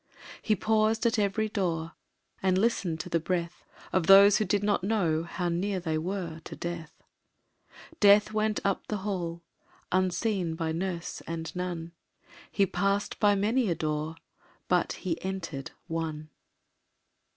He paused at every door And listened to the breath Of those who did not know How near they were to Death. Death went up the hall Unseen by nurse and nun; He passed by many a door But he entered one.